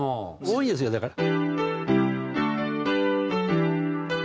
多いんですよだから。